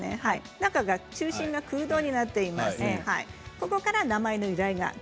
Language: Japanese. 中、中心が空洞になっています。